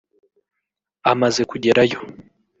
Amaze kugerayo